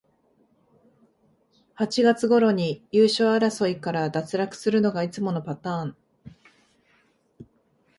八月ごろに優勝争いから脱落するのがいつものパターン